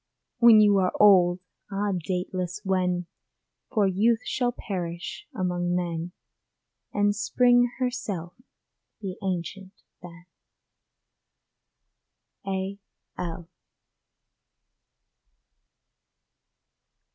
When you are old! Ah, dateless when, For youth shall perish among men, And Spring herself be ancient then. A. L.